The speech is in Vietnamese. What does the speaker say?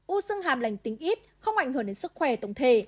u sưng hàm lành tính ít không ảnh hưởng đến sức khỏe tổng thể